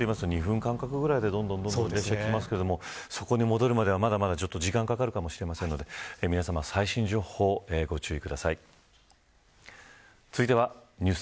山手線というと、２分ぐらいの間隔で電車がきますがそこに戻るまでは、まだまだ時間がかかるかもしれないので皆さま最新情報にはご注意ください。